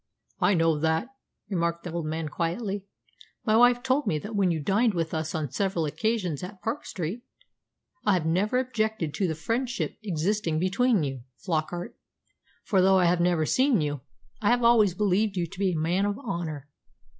"I know that," remarked the old man quietly. "My wife told me that when you dined with us on several occasions at Park Street. I have never objected to the friendship existing between you, Flockart; for, though I have never seen you, I have always believed you to be a man of honour."